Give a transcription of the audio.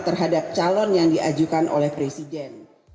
terhadap calon yang diajukan oleh presiden